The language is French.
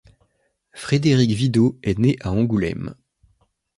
Frédéric Videau est né à Angoulême.